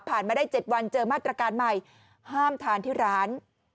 มาได้๗วันเจอมาตรการใหม่ห้ามทานที่ร้าน